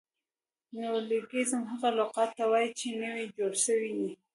نیولوګیزم هغه لغت ته وایي، چي نوي جوړ سوي يي.